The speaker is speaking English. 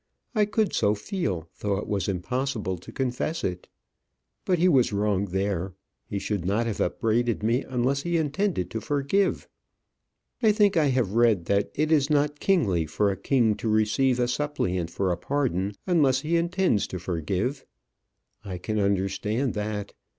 I could so feel, though it was impossible to confess it. But he was wrong there. He should not have upbraided me unless he intended to forgive. I think I have read that it is not kingly for a king to receive a suppliant for pardon unless he intends to forgive. I can understand that.